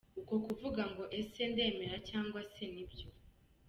Uko kuvuga ngo ‘ese ndemera’ cyangwa se nibyo’.